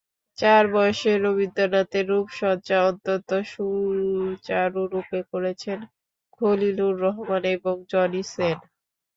চার বয়সের রবীন্দ্রনাথের রূপসজ্জা অত্যন্ত সুচারুরূপে করেছেন খলিলুর রহমান এবং জনি সেন।